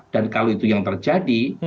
dan kalau itu yang terjadi